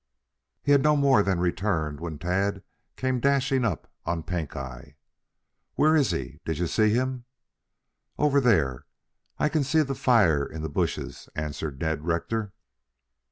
He had no more than returned when Tad came dashing up on Pink eye. "Where is he? Do you see him?" "Over there, I can see the fire in the bushes," answered Ned Rector.